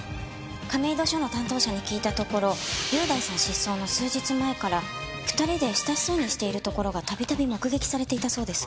亀戸署の担当者に聞いたところ優大さん失踪の数日前から２人で親しそうにしているところが度々目撃されていたそうです。